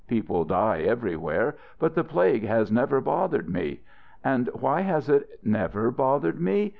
People die everywhere. But the Plague has never bothered me. And why has it never bothered me?